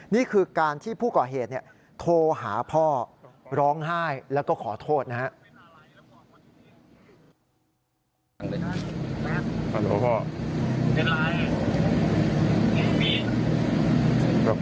นี่คือการที่ผู้ก่อเหตุโทรหาพ่อร้องไห้แล้วก็ขอโทษนะครับ